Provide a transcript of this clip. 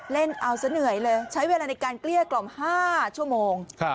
เล่นเอาซะเหนื่อยเลยใช้เวลาในการเกลี้ยกล่อม๕ชั่วโมง